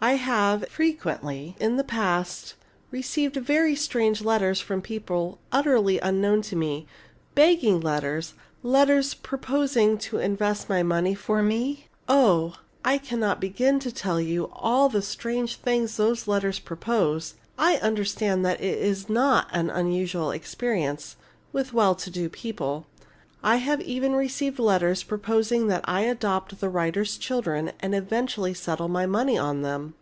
I have frequently, in the past years, received very strange letters from people utterly unknown to me, begging letters, letters proposing to invest my money for me, oh! I cannot begin to tell you all the strange things these letters propose. I understand it is a not unusual experience with well to do people. I have even received letters proposing that I adopt the writer's children and eventually settle my money on them!"